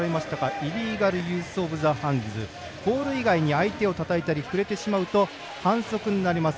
イリーガルユースオブザハンズゴール以外に相手に触れてしまうと、反則になります。